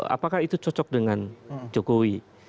apakah itu cocok dengan jokowi